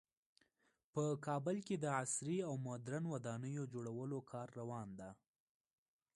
په کابل کې د عصري او مدرن ودانیو جوړولو کار روان ده